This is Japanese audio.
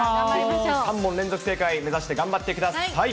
３問連続正解目指して頑張ってください。